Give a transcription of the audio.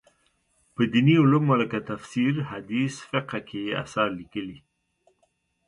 په دیني علومو لکه تفسیر، حدیث، فقه کې یې اثار لیکلي.